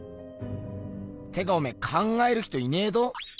てかおめぇ「考える人」いねえど。